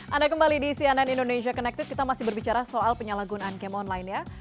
anda kembali di cnn indonesia connected kita masih berbicara soal penyalahgunaan game online ya